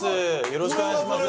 よろしくお願いします